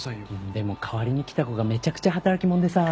でも代わりに来た子がめちゃくちゃ働き者でさぁ。